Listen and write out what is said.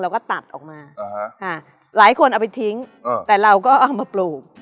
ก็ตัดออกมาหลายคนเอาไปทิ้งแต่เราก็เอามาปลูก